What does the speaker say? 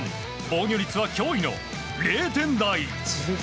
防御率は驚異の０点台。